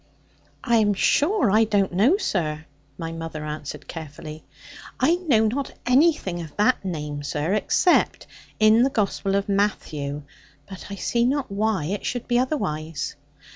'I am sure I don't know, sir,' my mother answered carefully; 'I know not anything of that name, sir, except in the Gospel of Matthew: but I see not why it should be otherwise.'